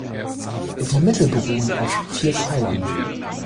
Die Mittel beruhen auf vier Pfeilern.